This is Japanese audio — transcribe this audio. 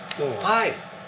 はい。